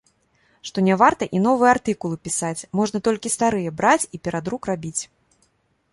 Што не варта і новыя артыкулы пісаць, можна толькі старыя браць і перадрук рабіць!